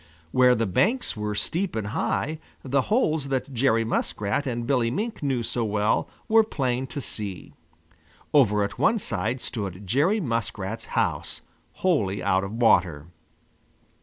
Where the banks were steep and high, the holes that Jerry Muskrat and Billy Mink knew so well were plain to see. Over at one side stood Jerry Muskrat's house, wholly out of water.